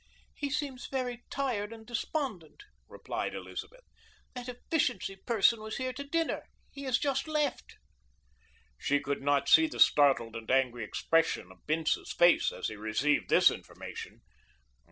"He seems very tired and despondent," replied Elizabeth. "That efficiency person was here to dinner. He just left." She could not see the startled and angry expression of Bince's face as he received this information.